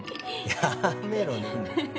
やめろ！